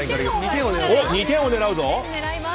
２点を狙うぞ。